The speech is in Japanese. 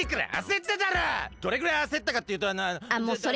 どれくらいあせったかっていうと。